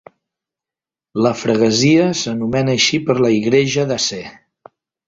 La "freguesia" s'anomena així per la Igreja da Sé.